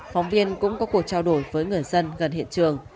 phóng viên cũng có cuộc trao đổi với người dân gần hiện trường